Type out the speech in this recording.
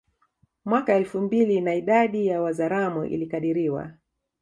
Mwaka elfu mbili na idadi ya Wazaramo ilikadiriwa